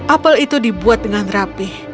apel itu dibuat dengan rapih